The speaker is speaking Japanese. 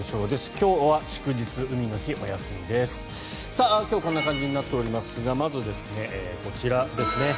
今日こんな感じになっておりますがまずこちらですね。